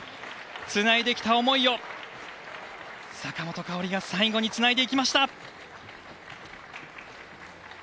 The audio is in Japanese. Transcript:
つないできた思いを坂本花織が最後につないでいきました。